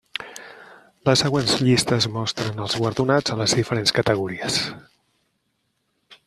Les següents llistes mostren els guardonats en les diferents categories.